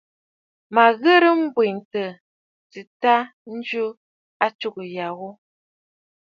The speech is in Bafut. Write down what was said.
Mə ghɨ̀rə̀ m̀bwitə aa tɨta njɨ atsugə ya ghu.